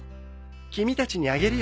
君たちにあげるよ。